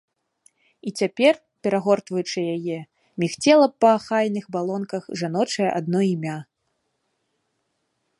І цяпер, перагортваючы яе, мігцела па ахайных балонках жаночае адно імя.